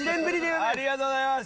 ありがとうございます。